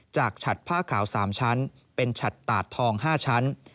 ฉัดผ้าขาว๓ชั้นเป็นฉัดตาดทอง๕ชั้น